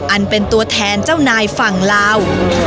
อันเป็นตัวแทนเจ้านายฝั่งลาว